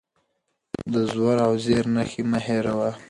د زور او زېر نښې مه هېروه.